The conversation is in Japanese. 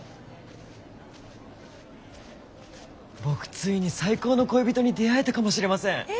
僕ついに最高の恋人に出会えたかもしれません。